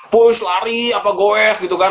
push lari apa goes gitu kan